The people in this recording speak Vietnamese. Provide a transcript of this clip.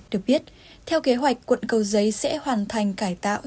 được biết theo kế hoạch quận cầu giấy sẽ hoàn thành cải tạo